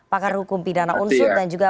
pakar hukum pidana unsur dan juga